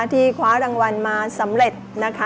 ที่คว้ารางวัลมาสำเร็จนะคะ